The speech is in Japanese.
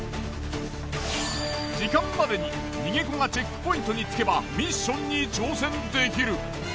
時間までに逃げ子がチェックポイントに着けばミッションに挑戦できる。